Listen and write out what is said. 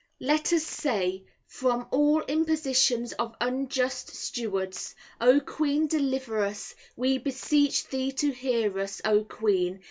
Let us say, From all impositions of unjust stewards, O Queen deliver us, We beseech thee to hear us, O Queen.